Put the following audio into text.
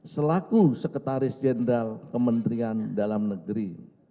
selaku sekretaris jenderal kementerian dalam negeri